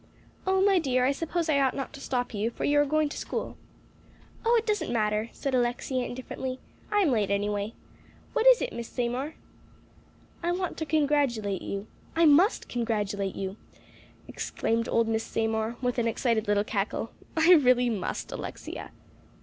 "Oh, my dear, I suppose I ought not to stop you, for you are going to school." "Oh, it doesn't matter," said Alexia indifferently; "I'm late anyway. What is it, Miss Seymour?" "I want to congratulate you I must congratulate you," exclaimed old Miss Seymour, with an excited little cackle. "I really must, Alexia."